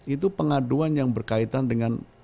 itu pengaduan yang berkaitan dengan